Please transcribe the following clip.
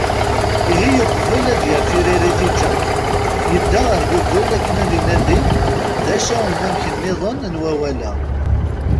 Ihi uqbel ad yerr tiririt i Jack, yedda ar Google akken ad inadi d acu-t unamek-nniḍen n wawal-a.